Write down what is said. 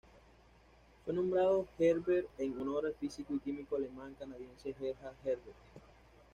Fue nombrado Herzberg en honor al físico y químico alemán canadiense Gerhard Herzberg.